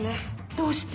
どうして？